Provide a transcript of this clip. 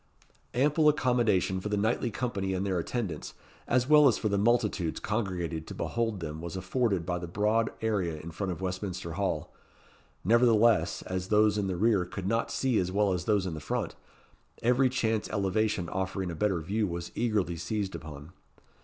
Ample accommodation for the knightly company and their attendants, as well as for the multitudes congregated to behold them was afforded by the broad area in front of Westminster Hall; nevertheless, as those in the rear could not see as well as those in front, every chance elevation offering a better view was eagerly seized upon.